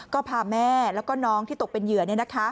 ก็พาแม่แล้วก็น้องที่ตกเป็นเหยื่อ